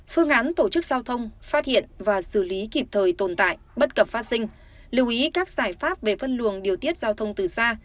phương án tổ chức giao thông phát hiện và xử lý kịp thời tồn tại bất cập phát sinh lưu ý các giải pháp về phân luồng điều tiết giao thông từ xa